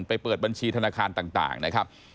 เปิดบัญชีธนาคารต่างนะครับ